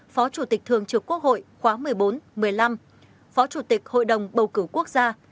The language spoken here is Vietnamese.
phó chủ tịch thường trực quốc hội khóa một mươi bốn một mươi năm phó chủ tịch hội đồng bầu cử quốc gia